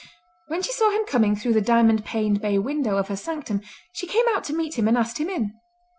When she saw him coming through the diamond paned bay window of her sanctum she came out to meet him and asked him in.